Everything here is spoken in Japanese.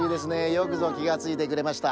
よくぞきがついてくれました。